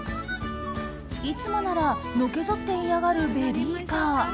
いつもならのけぞって嫌がるベビーカー。